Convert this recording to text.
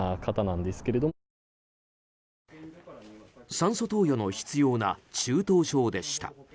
酸素投与の必要な中等症でした。